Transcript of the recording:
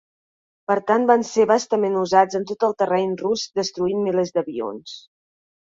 Per tant van ser vastament usats en tot el terreny rus destruint milers d'avions.